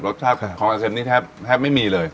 รสชาติของอาเซนนี่แทบไม่มีเลย